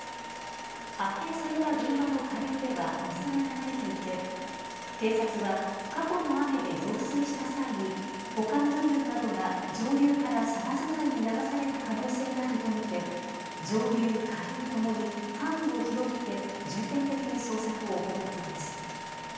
発見された現場の下流では水が流れていて警察は過去の雨で増水した際にほかの部分などが上流から沢伝いに流された可能性があると見て上流、下流ともに範囲を広げて重点的に捜索を行っています。